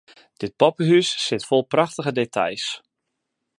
Dit poppehûs sit fol prachtige details.